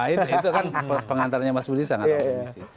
itu kan pengantarnya mas budi sangat optimistis